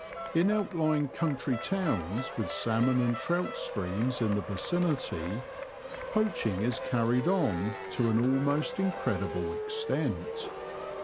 In outlying country towns with salmon and trout streams in the vicinity, poaching is carried on to an almost incredible extent.